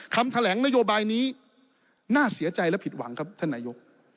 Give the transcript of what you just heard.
คำแถลงนโยบายนี้น่าเสียใจและผิดหวังครับท่านนายก